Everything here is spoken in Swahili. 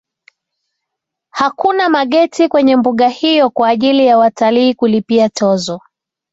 hakuna mageti kwenye mbuga hiyo kwa ajri ya watalii kulipia tozo